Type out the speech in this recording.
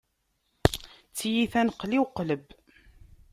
D tiyita n qli u qleb.